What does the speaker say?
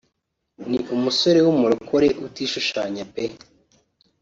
ni umusore w’umurokore utishushanya pe